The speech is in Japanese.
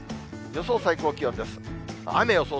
予想最高気温です。